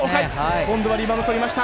今度はリバウンド取りました！